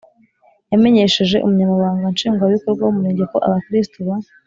yamenyesheje umunyamabanga nshingwabikorwa w’umurenge ko abakristu ba